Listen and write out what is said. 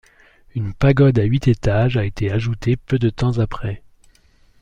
Une pagode à huit étages a été ajoutée peu de temps après.